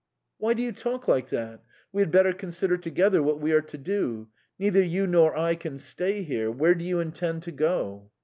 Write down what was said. "Why do you talk like that? We had better consider together what we are to do. Neither you nor I can stay here. Where do you intend to go?"